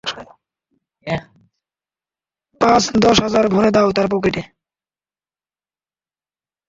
পাঁচ দশ হাজার ভরে দাও তার পকেটে।